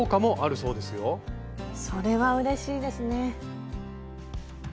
それはうれしいですね。